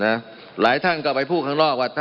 มันมีมาต่อเนื่องมีเหตุการณ์ที่ไม่เคยเกิดขึ้น